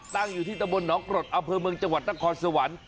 ตั้งอยู่ที่ตะบนหนองกรดอำเภอเมืองจังหวัดนครสวรรค์